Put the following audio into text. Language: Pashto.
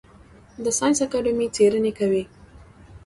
د ساینس اکاډمي څیړنې کوي؟